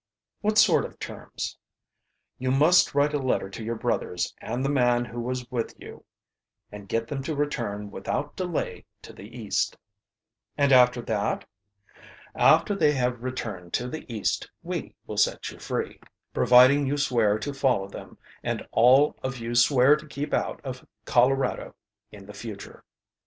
"What sort of terms?" "You must write a letter to your brothers and the man who was with you and get them to return without delay to the East." "And after that?" "After they have returned to the East we will set you free, providing you swear to follow them and all of you swear to keep out of Colorado in the future."